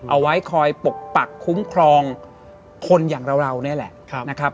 เอาไว้คอยปกปักคุ้มครองคนอย่างเรานี่แหละนะครับ